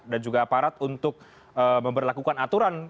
dan juga aparat untuk memperlakukan aturan